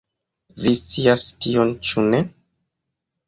Vi scias tion ĉu ne?